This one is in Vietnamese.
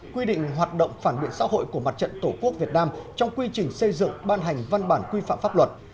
quy định hoạt động phản biện xã hội của mặt trận tổ quốc việt nam trong quy trình xây dựng ban hành văn bản quy phạm pháp luật